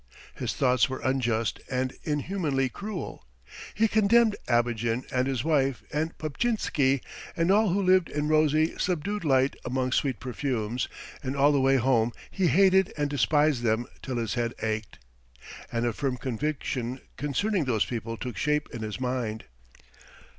His thoughts were unjust and inhumanly cruel. He condemned Abogin and his wife and Paptchinsky and all who lived in rosy, subdued light among sweet perfumes, and all the way home he hated and despised them till his head ached. And a firm conviction concerning those people took shape in his mind.